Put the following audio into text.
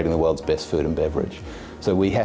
jadi kita harus memiliki sistem yang sangat kuat